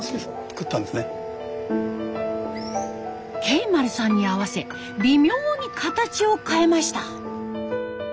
ケイマルさんに合わせ微妙に形を変えました。